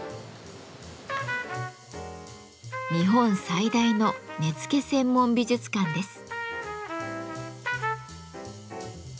日本最大の根付専門美術館です。